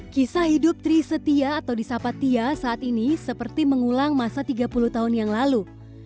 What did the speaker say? kisah hidup trisetia atau disapat tia saat ini seperti mengulang masa tiga puluh tahun yang lalu